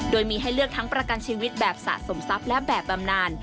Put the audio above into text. โดยมีให้เลือกทั้งประกันชีวิตแบบสะสมทรัพย์และแบบบำนาน